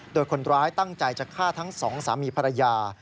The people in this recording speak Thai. โดยคนร้ายตั้งใจจะฆ่าทั้งสองสามีภรรยา